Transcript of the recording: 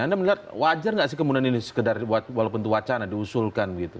anda melihat wajar nggak sih kemudian ini sekedar walaupun itu wacana diusulkan gitu